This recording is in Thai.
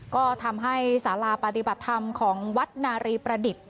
ก็ทำให้สาราปฏิบัติธรรมของวัดนารีประดิษฐ์